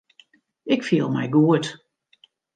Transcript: Ik fiel my goed.